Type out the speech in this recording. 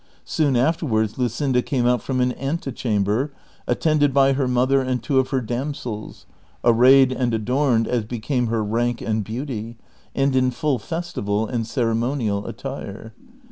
Soon afterwards Luscinda came out from an ante chamber, attended by her mother and two of her damsels, arrayed and adorned as became her rank and beauty, and in full festival and ceremonial attire.